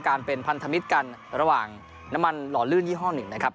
เป็นพันธมิตรกันระหว่างน้ำมันหล่อลื่นยี่ห้อหนึ่งนะครับ